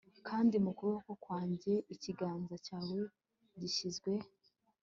kandi mu kuboko kwanjye ikiganza cyawe gishyizwe